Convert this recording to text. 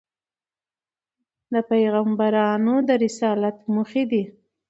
د پیغمبرانود رسالت موخي دي.